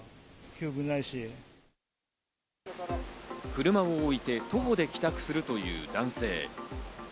車を置いて徒歩で帰宅するという男性。